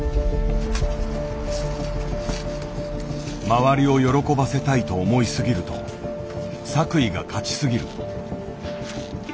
周りを喜ばせたいと思い過ぎると作為が勝ち過ぎる。